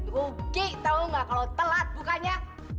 rugi tau gak kalau telat bukanya